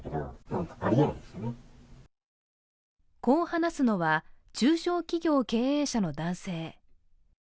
こう話すのは、中小企業経営者の男性。